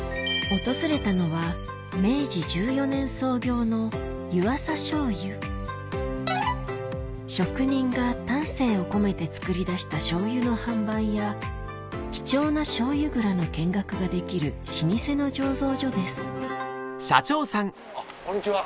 訪れたのは明治１４年創業の職人が丹精を込めて造り出した醤油の販売や貴重な醤油蔵の見学ができる老舗の醸造所ですあっこんにちは。